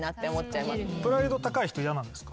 プライド高い人嫌なんですか？